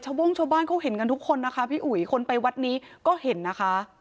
โบ้งชาวบ้านเขาเห็นกันทุกคนนะคะพี่อุ๋ยคนไปวัดนี้ก็เห็นนะคะ